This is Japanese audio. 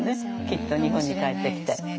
きっと日本に帰ってきて。